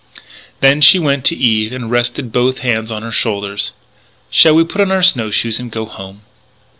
Then she went to Eve and rested both hands on her shoulders. "Shall we put on our snow shoes and go home?"